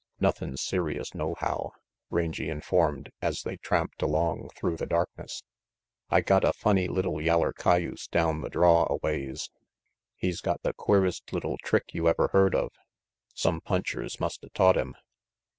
"Nothin' serious nohow," Rangy informed, as they tramped along through the darkness. "I got a funny little yeller cayuse down the draw a ways. He's got the queerest little trick you ever heard of. Some punchers musta taught him.